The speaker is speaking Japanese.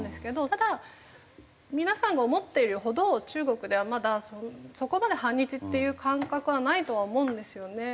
ただ皆さんが思っているほど中国ではまだそこまで反日っていう感覚はないとは思うんですよね。